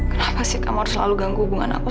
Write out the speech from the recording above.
udah hampir dua jam aku nunggu